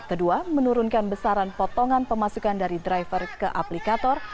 kedua menurunkan besaran potongan pemasukan dari driver ke aplikator